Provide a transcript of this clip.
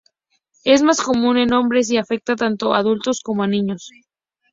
Es más común en hombres, y afecta tanto a adultos como a niños.